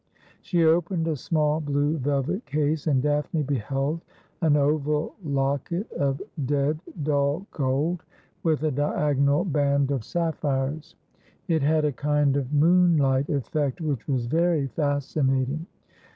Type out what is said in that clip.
She opened a small blue velvet case, and Daphne beheld an oval locket of dead dull gold with a diagonal band of sap 214 Asj)hodel. phires. It had a kind of moonlight effect which was very fas cinating.